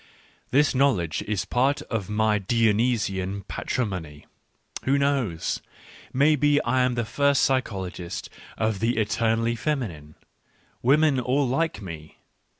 This knowledge is part of my Dionysian patrimony. Who knows ? may be I am the first psychologist of the eternally femi nine. Women all like m e.